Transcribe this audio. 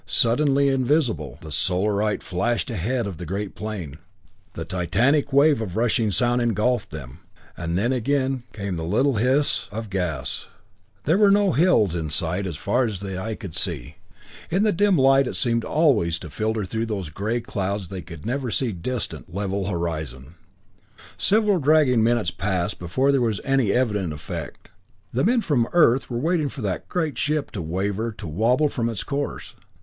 Suddenly invisible, the Solarite flashed ahead of the great plane. The titanic wave of rushing sound engulfed them then again came the little hiss of the gas. Now there were no hills in sight, as far as the eye could see. In the dim light that seemed always to filter through these gray clouds they could see the distant, level horizon. Several dragging minutes passed before there was any evident effect; the men from Earth were waiting for that great ship to waver, to wobble from its course.